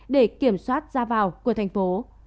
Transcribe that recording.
để kiểm soát ra vào của thành phố